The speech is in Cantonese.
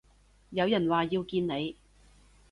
有人話要見你